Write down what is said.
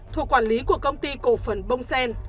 thuộc quản lý của công ty cổ phần bông sen